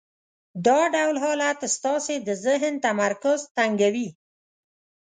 دا ډول حالت ستاسې د ذهن تمرکز تنګوي.